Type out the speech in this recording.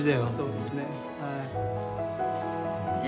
そうですねはい。